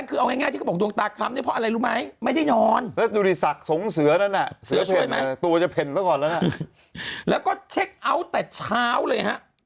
เขาบอกว่าเช็คเอาตั้งแต่เช้าเลยฮะ